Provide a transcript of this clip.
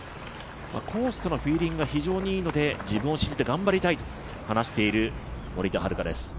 コースとのフィーリングが非常にいいので自分を信じて頑張りたいと話している森田遥です。